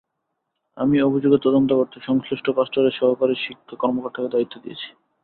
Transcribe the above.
আমি অভিযোগের তদন্ত করতে সংশ্লিষ্ট ক্লাস্টারের সহকারী শিক্ষা কর্মকর্তাকে দায়িত্ব দিয়েছি।